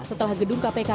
setelah gedung kpk berubah